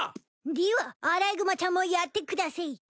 でぃはアライグマちゃんもやってくだせい。